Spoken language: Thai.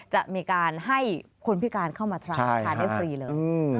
จะมีการให้คนพิการเข้ามาทานได้ฟรีเลย